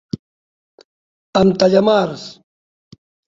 Amb tallamars.